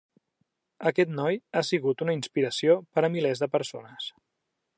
Aquest noi ha sigut una inspiració per a milers de persones.